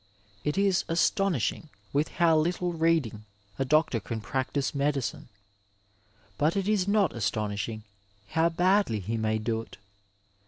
It is astonishing with how littie reading a doctor can practise medicine, but it is not astonishing how badly he may do it.